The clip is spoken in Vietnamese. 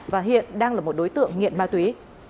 và hiện đang là một đối tượng nghiện ma túy